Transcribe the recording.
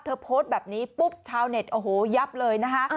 โพสต์แบบนี้ปุ๊บชาวเน็ตโอ้โหยับเลยนะคะ